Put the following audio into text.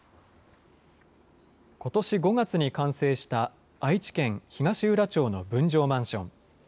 ことし５月に完成した愛知県東浦町の分譲マンション。